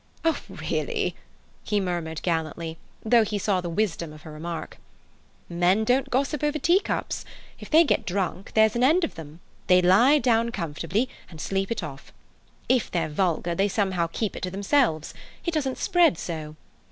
"Really—" he murmured gallantly, though he saw the wisdom of her remark. "Men don't gossip over tea cups. If they get drunk, there's an end of them—they lie down comfortably and sleep it off. If they're vulgar, they somehow keep it to themselves. It doesn't spread so.